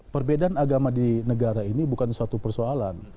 perbedaan agama di negara ini bukan suatu persoalan